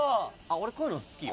俺こういうの好きよ。